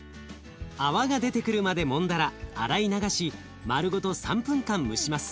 泡が出てくるまでもんだら洗い流し丸ごと３分間蒸します。